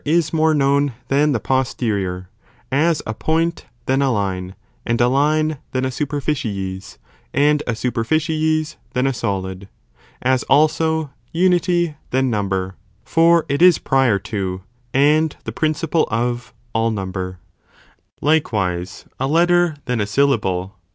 is more known than the posterior, as a point than a line, and a line than a superficies, and a superficies than a solid, as also unity than number, for it is prior to, and the principle of, all number ; likewise a letter than a syllable.